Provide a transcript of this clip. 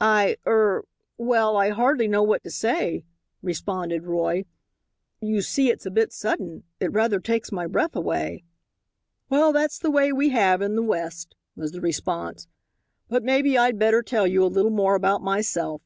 "I er well, I hardly know what to say," responded Roy; "you see, it's a bit sudden. It rather takes my breath away." "Well, that's a way we have in the West," was the response, "but maybe I'd better tell you a little more about myself.